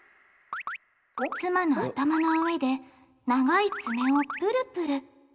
妻の頭の上で長い爪をぷるぷる。